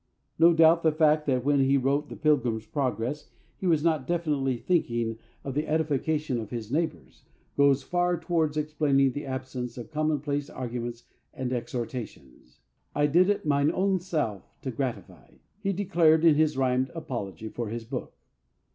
No doubt the fact that, when he wrote The Pilgrim's Progress, he was not definitely thinking of the edification of his neighbours, goes far towards explaining the absence of commonplace arguments and exhortations. "I did it mine own self to gratify," he declared in his rhymed "apology for his book."